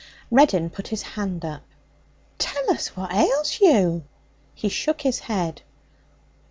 Reddin put his hand up. 'Tell us what ails you?' He shook his head.